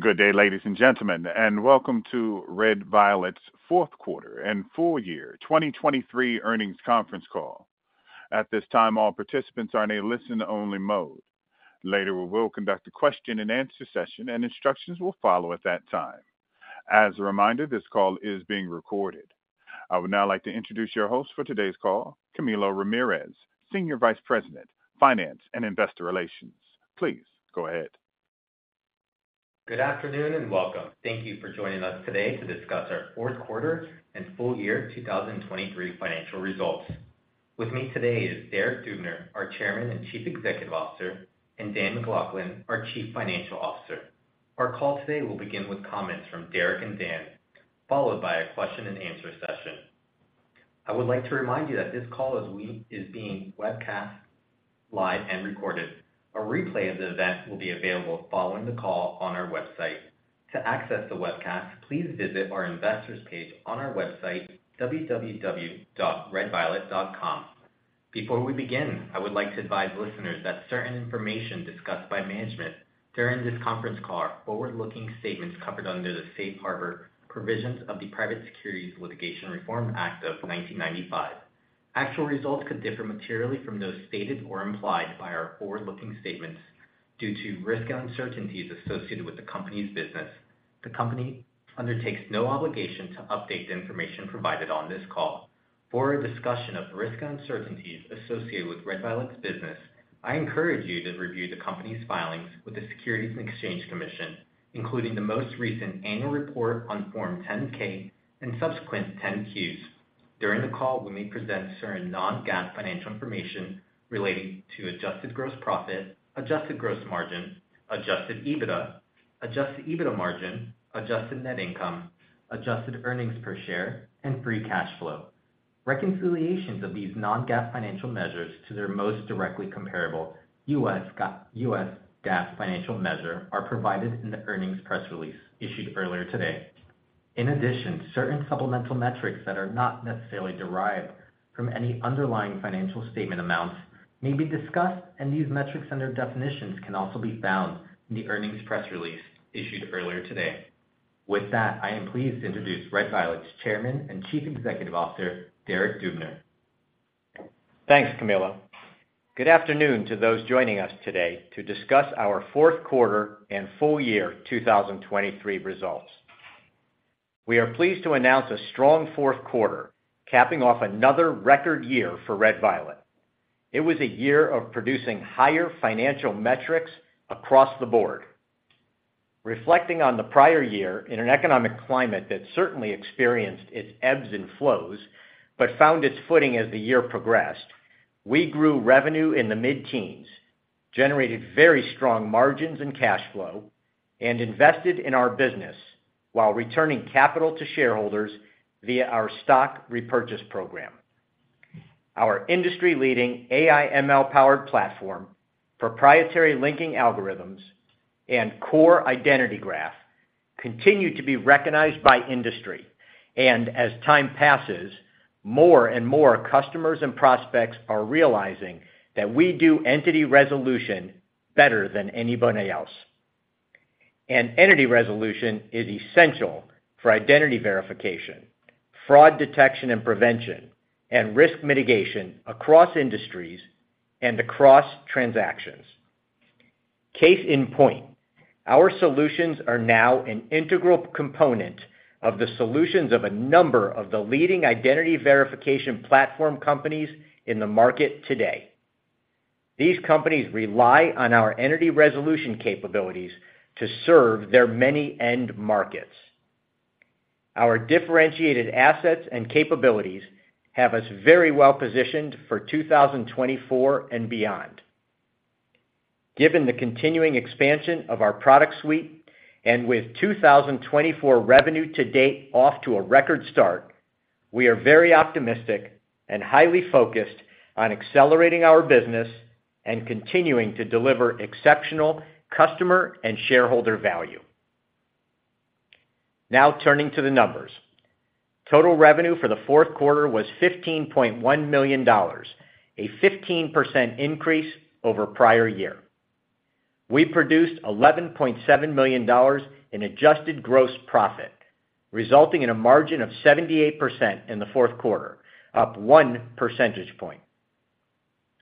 Good day, ladies and gentlemen, and welcome to Red violet's fourth quarter and full-year 2023 earnings conference call. At this time, all participants are in a listen-only mode. Later, we will conduct a question-and-answer session, and instructions will follow at that time. As a reminder, this call is being recorded. I would now like to introduce your host for today's call, Camilo Ramirez, Senior Vice President, Finance and Investor Relations. Please go ahead. Good afternoon and welcome. Thank you for joining us today to discuss our fourth quarter and full-year 2023 financial results. With me today is Derek Dubner, our Chairman and Chief Executive Officer, and Dan MacLachlan, our Chief Financial Officer. Our call today will begin with comments from Derek and Dan, followed by a question-and-answer session. I would like to remind you that this call is being webcast, live, and recorded. A replay of the event will be available following the call on our website. To access the webcast, please visit our investors page on our website, www.redviolet.com. Before we begin, I would like to advise listeners that certain information discussed by management during this conference call are forward-looking statements covered under the Safe Harbor Provisions of the Private Securities Litigation Reform Act of 1995. Actual results could differ materially from those stated or implied by our forward-looking statements due to risk and uncertainties associated with the company's business. The company undertakes no obligation to update the information provided on this call. For a discussion of risk and uncertainties associated with red violet's business, I encourage you to review the company's filings with the Securities and Exchange Commission, including the most recent annual report on Form 10-K and subsequent 10-Qs. During the call, we may present certain non-GAAP financial information relating to adjusted gross profit, adjusted gross margin, Adjusted EBITDA, Adjusted EBITDA margin, adjusted net income, adjusted earnings per share, and free cash flow. Reconciliations of these non-GAAP financial measures to their most directly comparable U.S. GAAP financial measure are provided in the earnings press release issued earlier today. In addition, certain supplemental metrics that are not necessarily derived from any underlying financial statement amounts may be discussed, and these metrics and their definitions can also be found in the earnings press release issued earlier today. With that, I am pleased to introduce red violet's Chairman and Chief Executive Officer, Derek Dubner. Thanks, Camilo. Good afternoon to those joining us today to discuss our fourth quarter and full-year 2023 results. We are pleased to announce a strong fourth quarter capping off another record year for red violet. It was a year of producing higher financial metrics across the board. Reflecting on the prior year in an economic climate that certainly experienced its ebbs and flows but found its footing as the year progressed, we grew revenue in the mid-teens, generated very strong margins and cash flow, and invested in our business while returning capital to shareholders via our stock repurchase program. Our industry-leading AI/ML-powered platform, proprietary linking algorithms, and core identity graph continue to be recognized by industry, and as time passes, more and more customers and prospects are realizing that we do entity resolution better than anybody else. Entity resolution is essential for identity verification, fraud detection and prevention, and risk mitigation across industries and across transactions. Case in point, our solutions are now an integral component of the solutions of a number of the leading identity verification platform companies in the market today. These companies rely on our entity resolution capabilities to serve their many end markets. Our differentiated assets and capabilities have us very well positioned for 2024 and beyond. Given the continuing expansion of our product suite and with 2024 revenue to date off to a record start, we are very optimistic and highly focused on accelerating our business and continuing to deliver exceptional customer and shareholder value. Now turning to the numbers. Total revenue for the fourth quarter was $15.1 million, a 15% increase over prior year. We produced $11.7 million in adjusted gross profit, resulting in a margin of 78% in the fourth quarter, up one percentage point.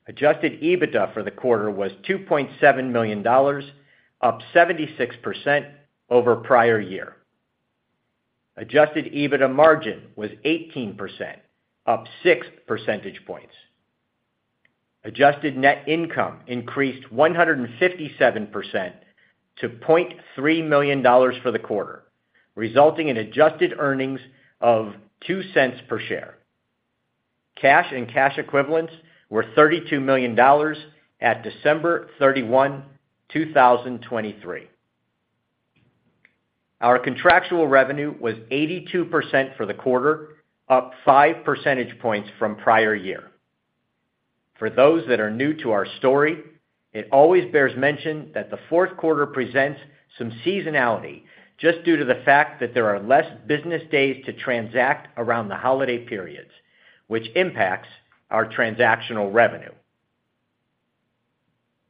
Adjusted EBITDA for the quarter was $2.7 million, up 76% over prior year. Adjusted EBITDA margin was 18%, up six percentage points. Adjusted net income increased 157% to $0.3 million for the quarter, resulting in adjusted earnings of $0.02 per share. Cash and cash equivalents were $32 million at December 31, 2023. Our contractual revenue was 82% for the quarter, up five percentage points from prior year. For those that are new to our story, it always bears mention that the fourth quarter presents some seasonality just due to the fact that there are less business days to transact around the holiday periods, which impacts our transactional revenue.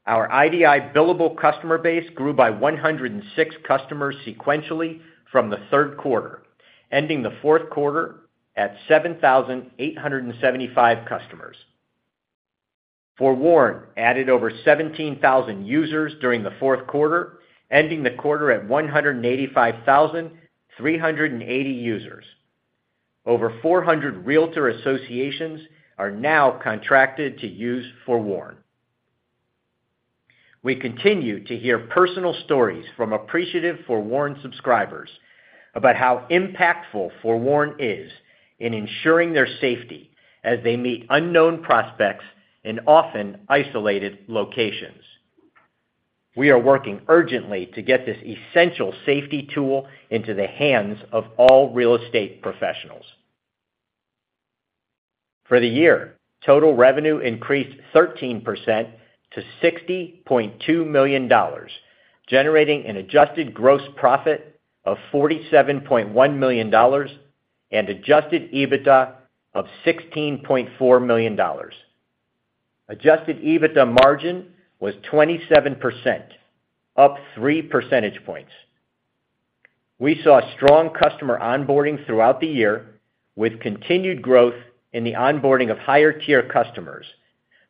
Our IDI billable customer base grew by 106 customers sequentially from the third quarter, ending the fourth quarter at 7,875 customers. FOREWARN added over 17,000 users during the fourth quarter, ending the quarter at 185,380 users. Over 400 Realtor associations are now contracted to use FOREWARN. We continue to hear personal stories from appreciative FOREWARN subscribers about how impactful FOREWARN is in ensuring their safety as they meet unknown prospects in often isolated locations. We are working urgently to get this essential safety tool into the hands of all real estate professionals. For the year, total revenue increased 13% to $60.2 million, generating an Adjusted Gross Profit of $47.1 million and Adjusted EBITDA of $16.4 million. Adjusted EBITDA margin was 27%, up three percentage points. We saw strong customer onboarding throughout the year with continued growth in the onboarding of higher-tier customers,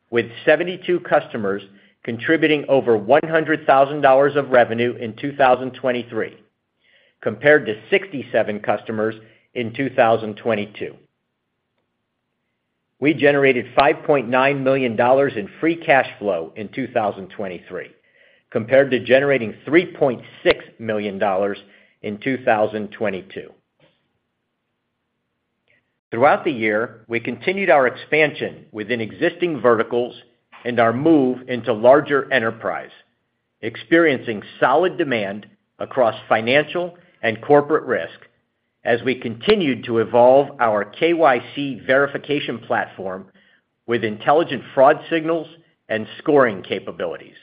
with 72 customers contributing over $100,000 of revenue in 2023 compared to 67 customers in 2022. We generated $5.9 million in free cash flow in 2023 compared to generating $3.6 million in 2022. Throughout the year, we continued our expansion within existing verticals and our move into larger enterprise, experiencing solid demand across financial and corporate risk as we continued to evolve our KYC verification platform with intelligent fraud signals and scoring capabilities.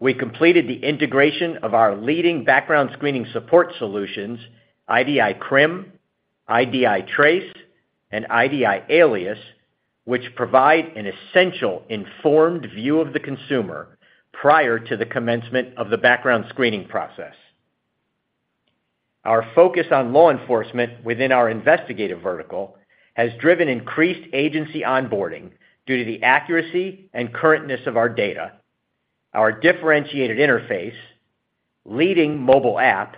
We completed the integration of our leading background screening support solutions, IDI CRIM, IDI TRACE, and IDI ALIAS, which provide an essential informed view of the consumer prior to the commencement of the background screening process. Our focus on law enforcement within our investigative vertical has driven increased agency onboarding due to the accuracy and currentness of our data, our differentiated interface, leading mobile app,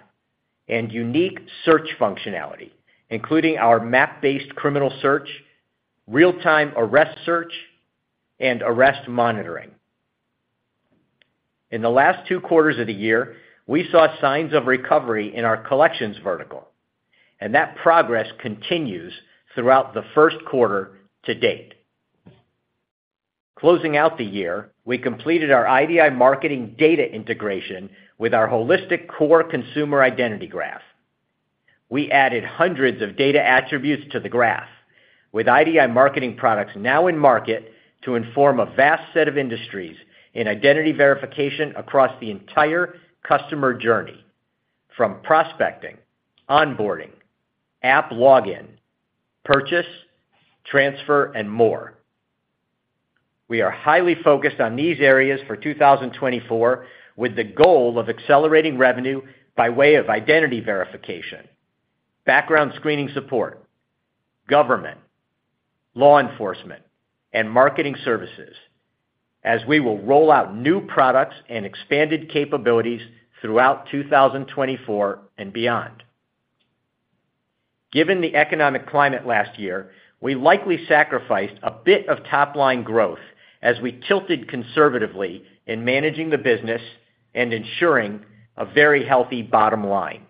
and unique search functionality, including our map-based criminal search, real-time arrest search, and arrest monitoring. In the last two quarters of the year, we saw signs of recovery in our collections vertical, and that progress continues throughout the first quarter to date. Closing out the year, we completed our IDI marketing data integration with our holistic core consumer identity graph. We added hundreds of data attributes to the graph, with IDI marketing products now in market to inform a vast set of industries in identity verification across the entire customer journey, from prospecting, onboarding, app login, purchase, transfer, and more. We are highly focused on these areas for 2024 with the goal of accelerating revenue by way of identity verification: background screening support, government, law enforcement, and marketing services, as we will roll out new products and expanded capabilities throughout 2024 and beyond. Given the economic climate last year, we likely sacrificed a bit of top-line growth as we tilted conservatively in managing the business and ensuring a very healthy bottom line.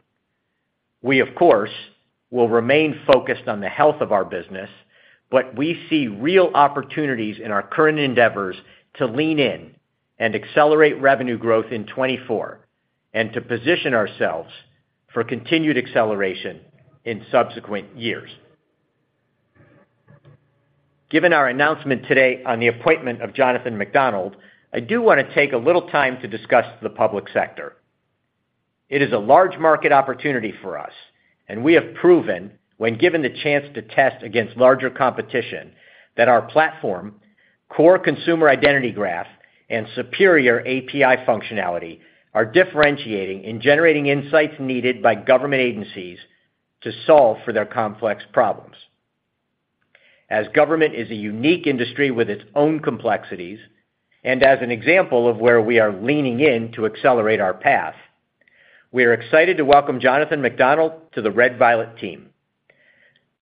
We, of course, will remain focused on the health of our business, but we see real opportunities in our current endeavors to lean in and accelerate revenue growth in 2024 and to position ourselves for continued acceleration in subsequent years. Given our announcement today on the appointment of Jonathan McDonald, I do want to take a little time to discuss the public sector. It is a large market opportunity for us, and we have proven, when given the chance to test against larger competition, that our platform, core consumer identity graph, and superior API functionality are differentiating in generating insights needed by government agencies to solve for their complex problems. As government is a unique industry with its own complexities and as an example of where we are leaning in to accelerate our path, we are excited to welcome Jonathan McDonald to the red violet team.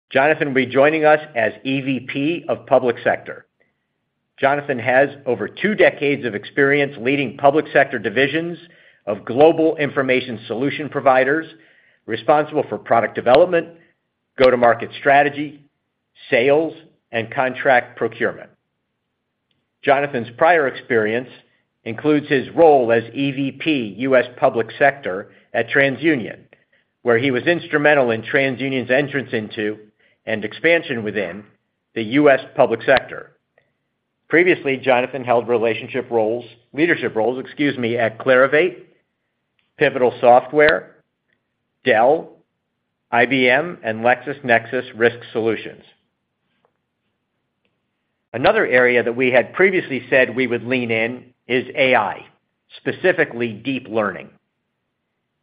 Jonathan will be joining us as EVP of public sector. Jonathan has over two decades of experience leading public sector divisions of global information solution providers responsible for product development, go-to-market strategy, sales, and contract procurement. Jonathan's prior experience includes his role as EVP U.S. public sector at TransUnion, where he was instrumental in TransUnion's entrance into and expansion within the U.S. public sector. Previously, Jonathan held leadership roles at Clarivate, Pivotal Software, Dell, IBM, and LexisNexis Risk Solutions. Another area that we had previously said we would lean in is AI, specifically deep learning.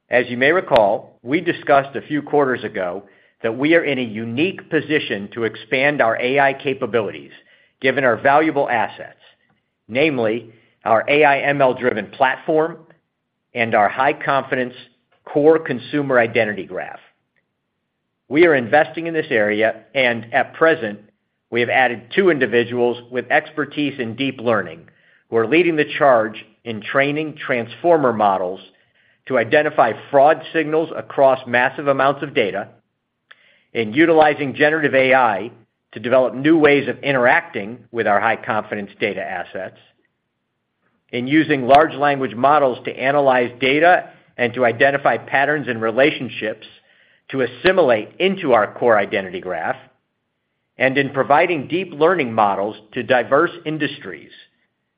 As you may recall, we discussed a few quarters ago that we are in a unique position to expand our AI capabilities given our valuable assets, namely our AI/ML-driven platform and our high-confidence core consumer identity graph. We are investing in this area, and at present, we have added two individuals with expertise in deep learning who are leading the charge in training transformer models to identify fraud signals across massive amounts of data, in utilizing generative AI to develop new ways of interacting with our high-confidence data assets, in using large language models to analyze data and to identify patterns and relationships to assimilate into our core identity graph, and in providing deep learning models to diverse industries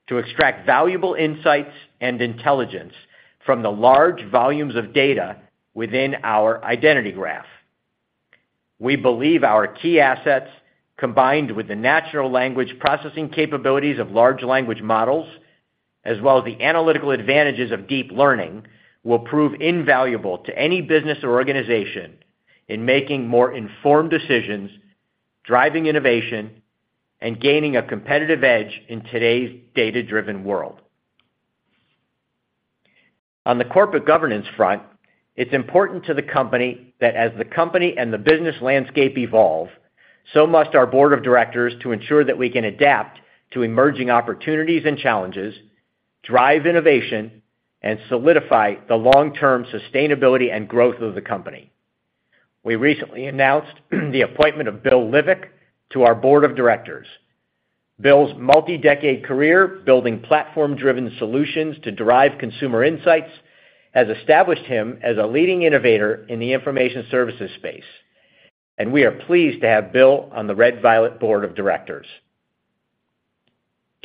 to extract valuable insights and intelligence from the large volumes of data within our identity graph. We believe our key assets, combined with the natural language processing capabilities of large language models as well as the analytical advantages of deep learning, will prove invaluable to any business or organization in making more informed decisions, driving innovation, and gaining a competitive edge in today's data-driven world. On the corporate governance front, it's important to the company that as the company and the business landscape evolve, so must our board of directors to ensure that we can adapt to emerging opportunities and challenges, drive innovation, and solidify the long-term sustainability and growth of the company. We recently announced the appointment of Bill Livek to our board of directors. Bill's multi-decade career building platform-driven solutions to derive consumer insights has established him as a leading innovator in the information services space, and we are pleased to have Bill on the red violet board of directors.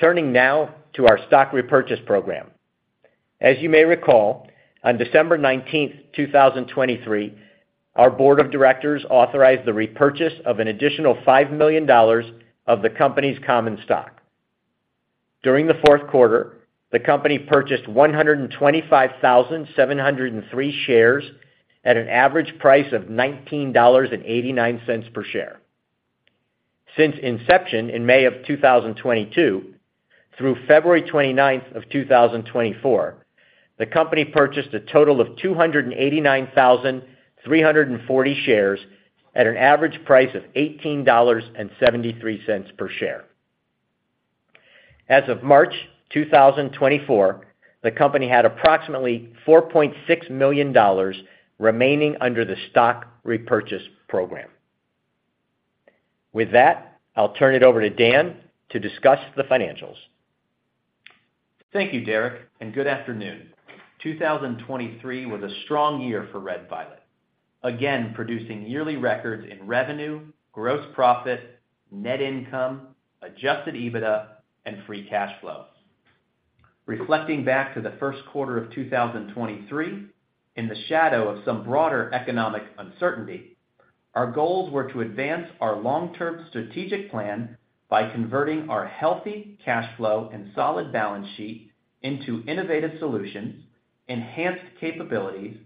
Turning now to our stock repurchase program. As you may recall, on December 19, 2023, our board of directors authorized the repurchase of an additional $5 million of the company's common stock. During the fourth quarter, the company purchased 125,703 shares at an average price of $19.89 per share. Since inception in May of 2022 through February 29, 2024, the company purchased a total of 289,340 shares at an average price of $18.73 per share. As of March 2024, the company had approximately $4.6 million remaining under the stock repurchase program. With that, I'll turn it over to Dan to discuss the financials. Thank you, Derek, and good afternoon. 2023 was a strong year for Red Violet, again producing yearly records in revenue, gross profit, net income, adjusted EBITDA, and free cash flow. Reflecting back to the first quarter of 2023, in the shadow of some broader economic uncertainty, our goals were to advance our long-term strategic plan by converting our healthy cash flow and solid balance sheet into innovative solutions, enhanced capabilities,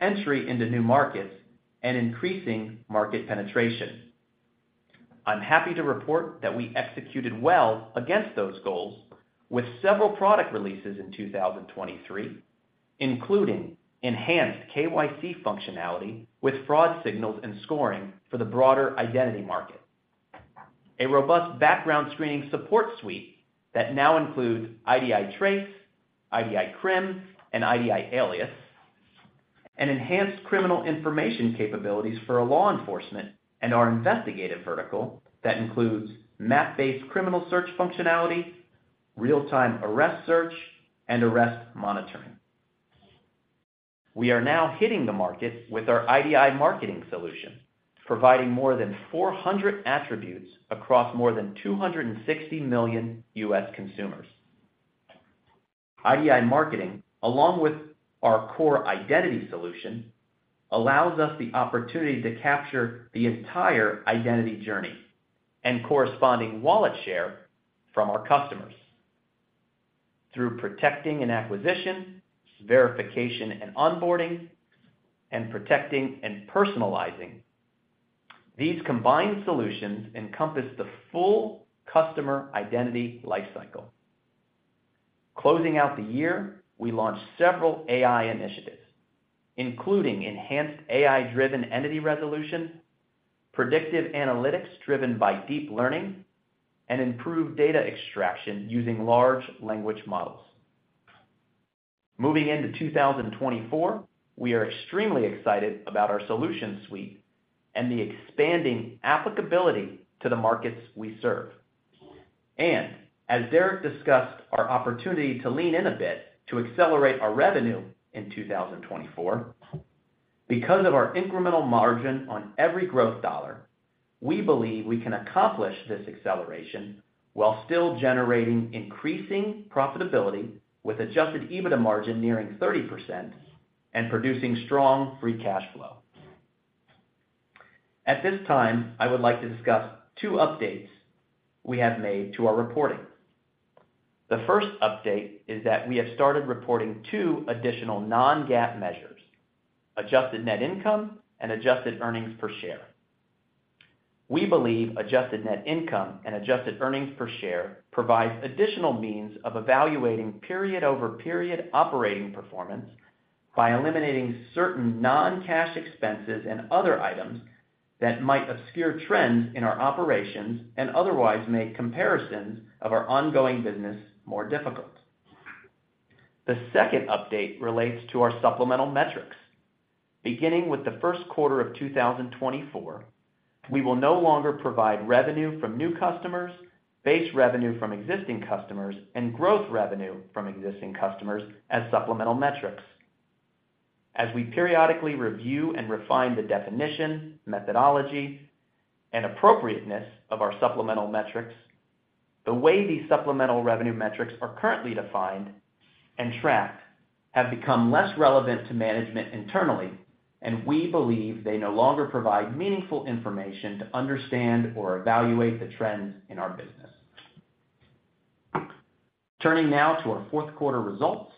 entry into new markets, and increasing market penetration. I'm happy to report that we executed well against those goals with several product releases in 2023, including enhanced KYC functionality with fraud signals and scoring for the broader identity market, a robust background screening support suite that now includes IDI TRACE, IDI CRIM, and IDI ALIACE, and enhanced criminal information capabilities for law enforcement and our investigative vertical that includes map-based criminal search functionality, real-time arrest search, and arrest monitoring. We are now hitting the market with our IDI marketing solution, providing more than 400 attributes across more than 260 million U.S. consumers. IDI marketing, along with our core identity solution, allows us the opportunity to capture the entire identity journey and corresponding wallet share from our customers. Through protecting and acquisition, verification and onboarding, and protecting and personalizing, these combined solutions encompass the full customer identity lifecycle. Closing out the year, we launched several AI initiatives, including enhanced AI-driven entity resolution, predictive analytics driven by deep learning, and improved data extraction using large language models. Moving into 2024, we are extremely excited about our solution suite and the expanding applicability to the markets we serve. As Derek discussed, our opportunity to lean in a bit to accelerate our revenue in 2024, because of our incremental margin on every growth dollar, we believe we can accomplish this acceleration while still generating increasing profitability with Adjusted EBITDA margin nearing 30% and producing strong Free Cash Flow. At this time, I would like to discuss two updates we have made to our reporting. The first update is that we have started reporting two additional non-GAAP measures: adjusted net income and adjusted earnings per share. We believe adjusted net income and adjusted earnings per share provide additional means of evaluating period-over-period operating performance by eliminating certain non-cash expenses and other items that might obscure trends in our operations and otherwise make comparisons of our ongoing business more difficult. The second update relates to our supplemental metrics. Beginning with the first quarter of 2024, we will no longer provide revenue from new customers, base revenue from existing customers, and growth revenue from existing customers as supplemental metrics. As we periodically review and refine the definition, methodology, and appropriateness of our supplemental metrics, the way these supplemental revenue metrics are currently defined and tracked have become less relevant to management internally, and we believe they no longer provide meaningful information to understand or evaluate the trends in our business. Turning now to our fourth quarter results.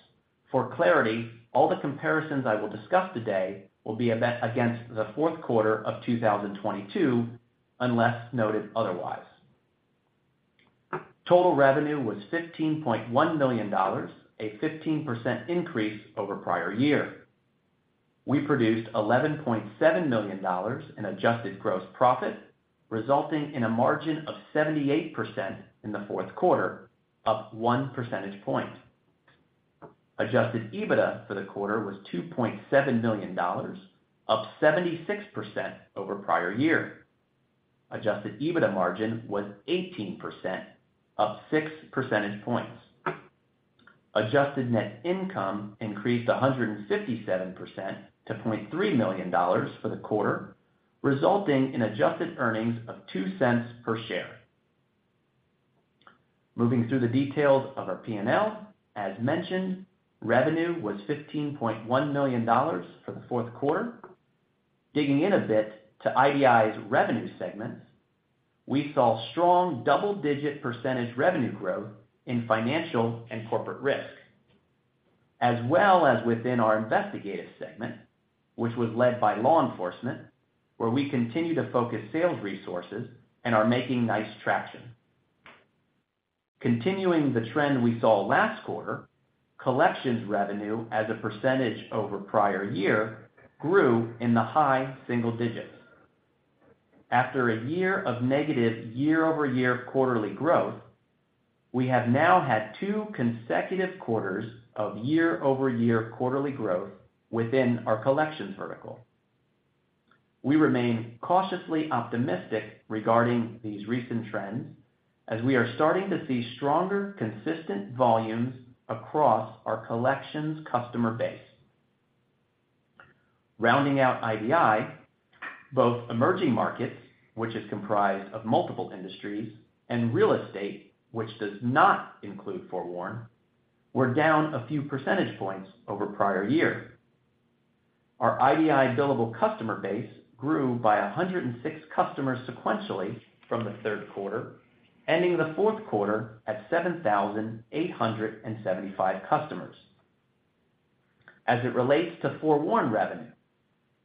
For clarity, all the comparisons I will discuss today will be against the fourth quarter of 2022 unless noted otherwise. Total revenue was $15.1 million, a 15% increase over prior year. We produced $11.7 million in adjusted gross profit, resulting in a margin of 78% in the fourth quarter, up one percentage point. Adjusted EBITDA for the quarter was $2.7 million, up 76% over prior year. Adjusted EBITDA margin was 18%, up six percentage points. Adjusted net income increased 157% to $0.3 million for the quarter, resulting in adjusted earnings of $0.02 per share. Moving through the details of our P&L, as mentioned, revenue was $15.1 million for the fourth quarter. Digging in a bit to IDI's revenue segments, we saw strong double-digit percentage revenue growth in financial and corporate risk, as well as within our investigative segment, which was led by law enforcement, where we continue to focus sales resources and are making nice traction. Continuing the trend we saw last quarter, collections revenue as a percentage over prior year grew in the high single digits. After a year of negative year-over-year quarterly growth, we have now had two consecutive quarters of year-over-year quarterly growth within our collections vertical. We remain cautiously optimistic regarding these recent trends as we are starting to see stronger, consistent volumes across our collections customer base. Rounding out IDI, both emerging markets, which is comprised of multiple industries, and real estate, which does not include Forewarn, were down a few percentage points over prior year. Our IDI billable customer base grew by 106 customers sequentially from the third quarter, ending the fourth quarter at 7,875 customers. As it relates to Forewarn revenue,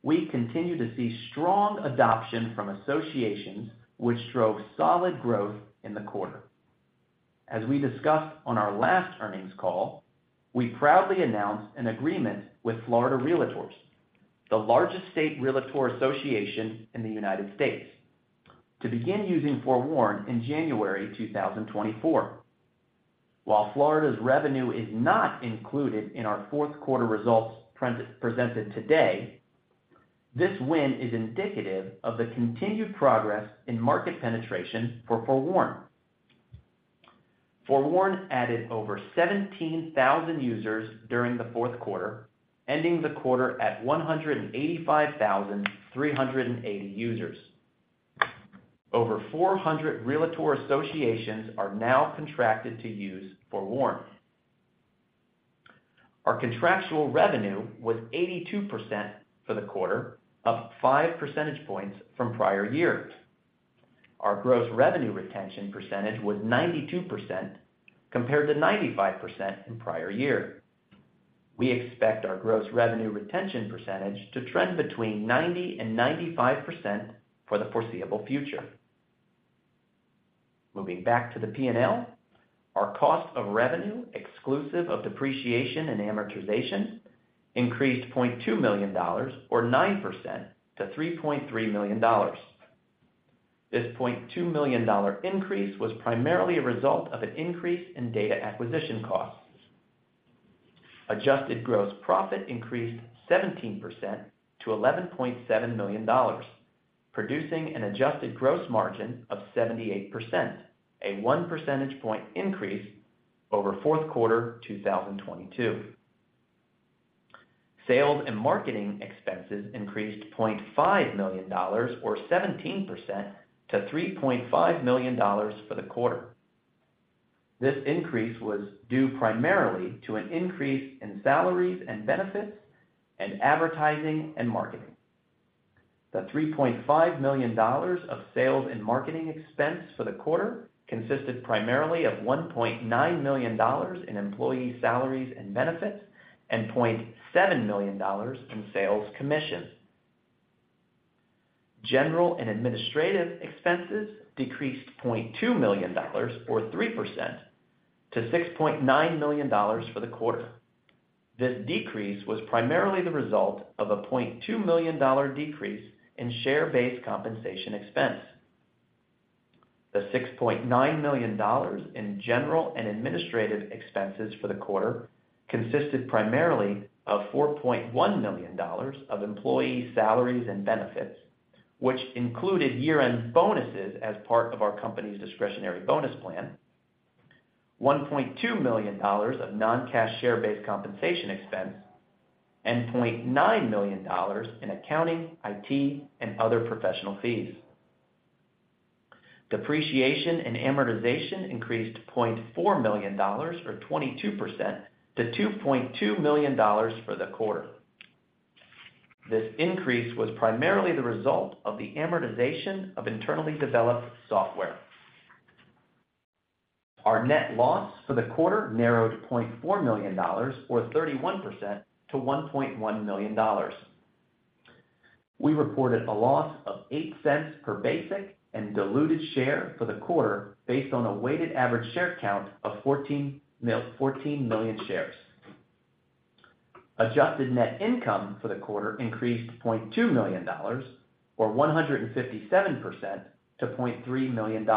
we continue to see strong adoption from associations, which drove solid growth in the quarter. As we discussed on our last earnings call, we proudly announced an agreement with Florida Realtors, the largest state realtor association in the United States, to begin using Forewarn in January 2024. While Florida's revenue is not included in our fourth quarter results presented today, this win is indicative of the continued progress in market penetration for FOREWARN. FOREWARN added over 17,000 users during the fourth quarter, ending the quarter at 185,380 users. Over 400 realtor associations are now contracted to use FOREWARN. Our contractual revenue was 82% for the quarter, up five percentage points from prior year. Our gross revenue retention percentage was 92% compared to 95% in prior year. We expect our gross revenue retention percentage to trend between 90%-95% for the foreseeable future. Moving back to the P&L, our cost of revenue exclusive of depreciation and amortization increased $0.2 million, or 9%, to $3.3 million. This $0.2 million increase was primarily a result of an increase in data acquisition costs. Adjusted gross profit increased 17% to $11.7 million, producing an adjusted gross margin of 78%, a one percentage point increase over fourth quarter 2022. Sales and marketing expenses increased $0.5 million, or 17%, to $3.5 million for the quarter. This increase was due primarily to an increase in salaries and benefits and advertising and marketing. The $3.5 million of sales and marketing expense for the quarter consisted primarily of $1.9 million in employee salaries and benefits and $0.7 million in sales commission. General and administrative expenses decreased $0.2 million, or 3%, to $6.9 million for the quarter. This decrease was primarily the result of a $0.2 million decrease in share-based compensation expense. The $6.9 million in general and administrative expenses for the quarter consisted primarily of $4.1 million of employee salaries and benefits, which included year-end bonuses as part of our company's discretionary bonus plan, $1.2 million of non-cash share-based compensation expense, and $0.9 million in accounting, IT, and other professional fees. Depreciation and amortization increased $0.4 million, or 22%, to $2.2 million for the quarter. This increase was primarily the result of the amortization of internally developed software. Our net loss for the quarter narrowed $0.4 million, or 31%, to $1.1 million. We reported a loss of $0.08 per basic and diluted share for the quarter based on a weighted average share count of 14 million shares. Adjusted net income for the quarter increased $0.2 million, or 157%, to $0.3 million,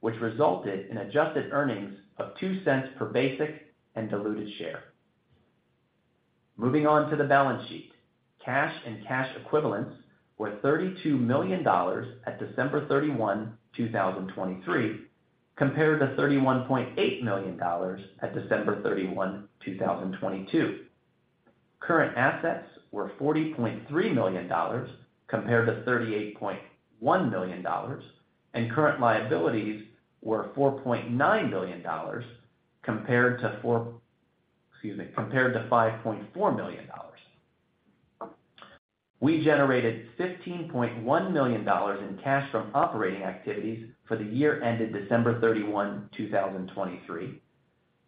which resulted in adjusted earnings of $0.02 per basic and diluted share. Moving on to the balance sheet, cash and cash equivalents were $32 million at December 31, 2023, compared to $31.8 million at December 31, 2022. Current assets were $40.3 million compared to $38.1 million, and current liabilities were $4.9 million compared to $5.4 million. We generated $15.1 million in cash from operating activities for the year ended December 31, 2023,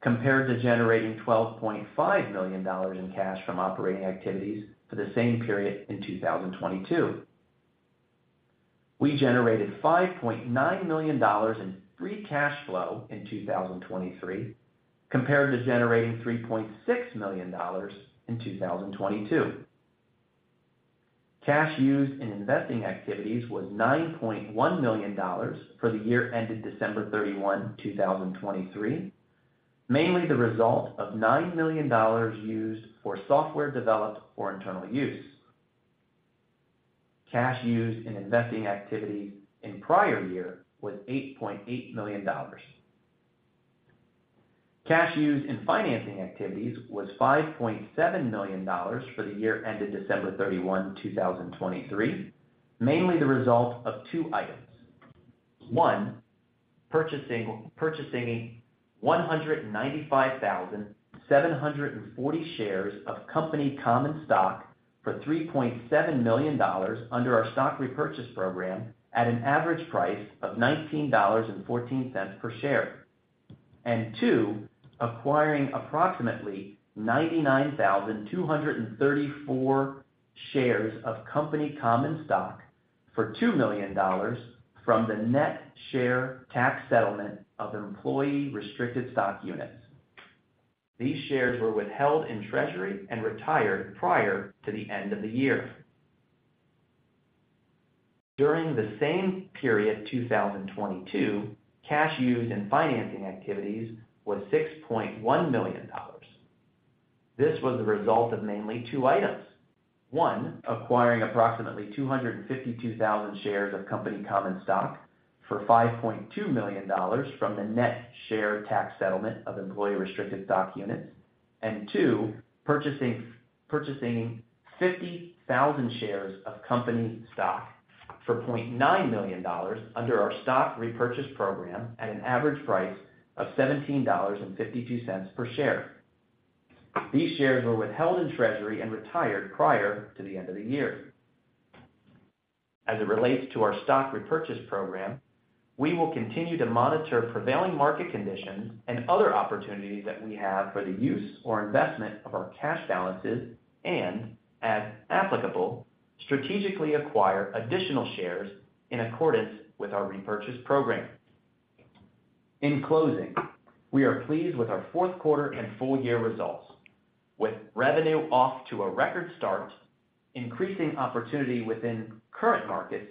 compared to generating $12.5 million in cash from operating activities for the same period in 2022. We generated $5.9 million in Free Cash Flow in 2023, compared to generating $3.6 million in 2022. Cash used in investing activities was $9.1 million for the year ended December 31, 2023, mainly the result of $9 million used for software developed for internal use. Cash used in investing activities in prior year was $8.8 million. Cash used in financing activities was $5.7 million for the year ended December 31, 2023, mainly the result of two items: one, purchasing 195,740 shares of company common stock for $3.7 million under our stock repurchase program at an average price of $19.14 per share, and two, acquiring approximately 99,234 shares of company common stock for $2 million from the net share tax settlement of employee restricted stock units. These shares were withheld in treasury and retired prior to the end of the year. During the same period, 2022, cash used in financing activities was $6.1 million. This was the result of mainly two items: one, acquiring approximately 252,000 shares of company common stock for $5.2 million from the net share tax settlement of employee restricted stock units, and two, purchasing 50,000 shares of company stock for $0.9 million under our stock repurchase program at an average price of $17.52 per share. These shares were withheld in treasury and retired prior to the end of the year. As it relates to our stock repurchase program, we will continue to monitor prevailing market conditions and other opportunities that we have for the use or investment of our cash balances and, as applicable, strategically acquire additional shares in accordance with our repurchase program. In closing, we are pleased with our fourth quarter and full-year results. With revenue off to a record start, increasing opportunity within current markets,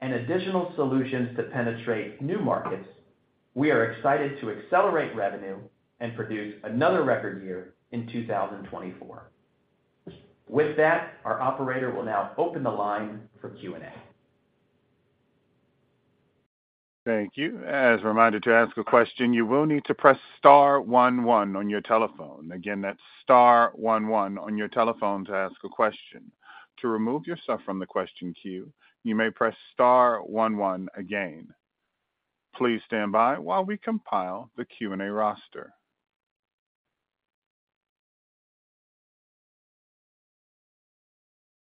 and additional solutions to penetrate new markets, we are excited to accelerate revenue and produce another record year in 2024. With that, our operator will now open the line for Q&A. Thank you. As a reminder to ask a question, you will need to press star one one on your telephone. Again, that's star one one on your telephone to ask a question. To remove yourself from the question queue, you may press star one one again. Please stand by while we compile the Q&A roster.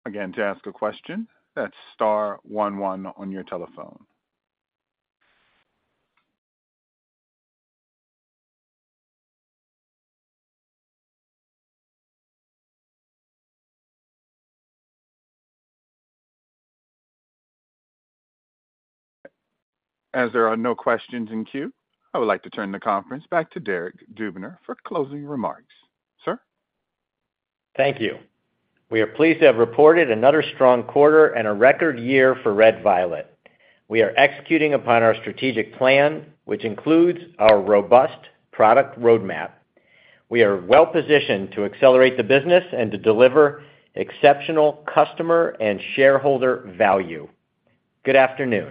Again, to ask a question, that's star one one on your telephone. As there are no questions in queue, I would like to turn the conference back to Derek Dubner for closing remarks. Sir? Thank you. We are pleased to have reported another strong quarter and a record year for red violet. We are executing upon our strategic plan, which includes our robust product roadmap. We are well positioned to accelerate the business and to deliver exceptional customer and shareholder value. Good afternoon.